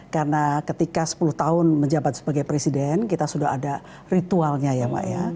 karena ketika sepuluh tahun menjabat sebagai presiden kita sudah ada ritualnya ya pak ya